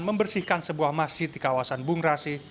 membersihkan sebuah masjid di kawasan bung rasi